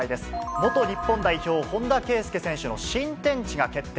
元日本代表、本田圭佑選手の新天地が決定。